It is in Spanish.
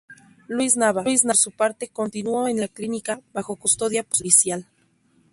Luis Nava, por su parte, continuó en la clínica, bajo custodia policial.